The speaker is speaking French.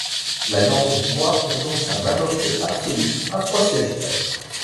L'alliance au pouvoir perd donc sa majorité absolue, à trois sièges près.